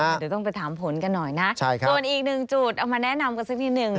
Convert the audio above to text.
เดี๋ยวต้องไปถามผลกันหน่อยนะส่วนอีกหนึ่งจุดเอามาแนะนำกันสักนิดนึง